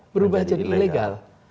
berubah jadi ilegal